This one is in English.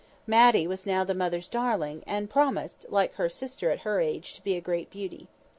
Matty was now the mother's darling, and promised (like her sister at her age), to be a great beauty.